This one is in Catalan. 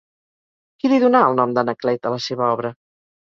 Qui li donà el nom d'Anaclet a la seva obra?